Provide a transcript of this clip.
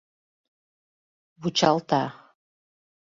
Вучалта.